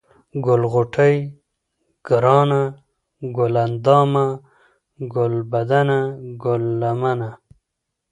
ګل غوټۍ ، گرانه ، گل اندامه ، گلبدنه ، گل لمنه ،